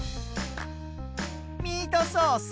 ミートソース。